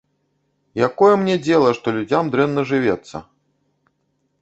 Якое мне дзела, што людзям дрэнна жывецца!